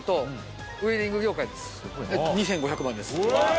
２５００万です。